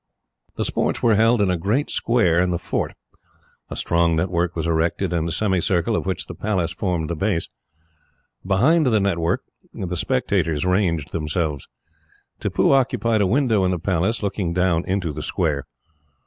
The sports were held in a great square in the fort. A strong network was erected in a semicircle, of which the Palace formed the base. Behind the network, the spectators ranged themselves. Tippoo occupied a window in the Palace, looking down into the square.